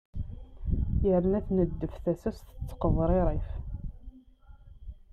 yerna tneddef tasa-s tettqeḍririf